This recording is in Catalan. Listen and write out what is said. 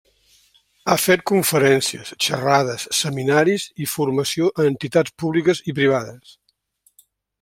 Ha fet conferències, xerrades, seminaris i formació a entitats públiques i privades.